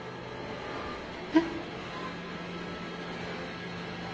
えっ？